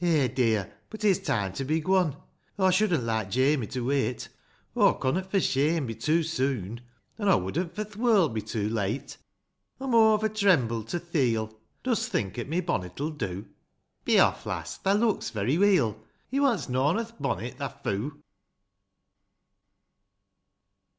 Eh, dear, but it's time to be gwon, — Aw should'nt like Jamie to wait, — Aw connot for shame be too soon, An' aw wouldn't for th' world be too late : Aw'm o' ov a tremble to th' heel, — Dost think at my bonnet'll do ?" Be off, lass, — thae looks very weel ;— He wants noan o'th bonnet, thae foo !